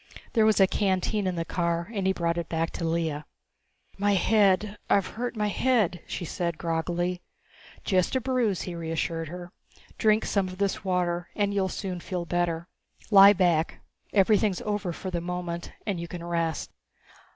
There was a canteen in the car and he brought it back to Lea. "My head I've hurt my head," she said groggily. "Just a bruise," he reassured her. "Drink some of this water and you'll soon feel better. Lie back. Everything's over for the moment and you can rest."